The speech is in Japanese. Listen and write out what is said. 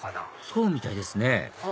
そうみたいですね